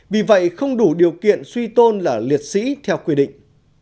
vì vậy không đủ điều kiện suy tôn là liệt sĩ theo quy định